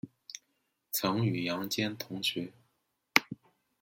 曾与杨坚同学。